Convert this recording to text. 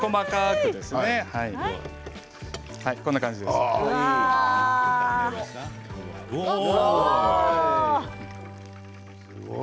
すごい！